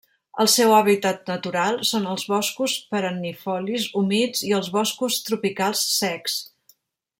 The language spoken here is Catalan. El seu hàbitat natural són els boscos perennifolis humits i els boscos tropicals secs.